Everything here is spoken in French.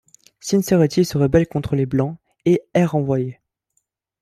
Sincerity se rebelle contre les Blancs et est renvoyée.